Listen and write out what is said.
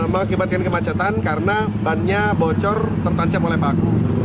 mengakibatkan kemacetan karena bannya bocor tertancap oleh baku